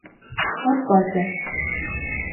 Շատ պարզ է.